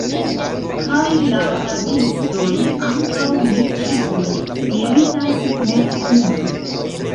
Kaj la rabistoj ankaŭ ne ĉiuj meritas mortpunon.